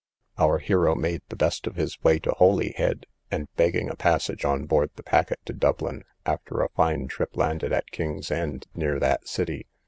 Our hero made the best of his way to Holyhead, and begging a passage on board the packet to Dublin, after a fine trip landed at King's End, near that city.